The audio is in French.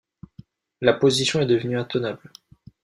La position est devenue intenable.